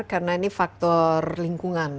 karena ini faktor lingkungan